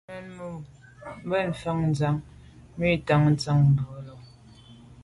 Memo’ bèn mfa’ ntsha mi ntàn ke ntsha bwe’e lo.